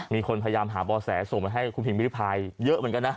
มีคนพยายามหาบ่อแสส่งมาให้คุณพิมพิริพายเยอะเหมือนกันนะ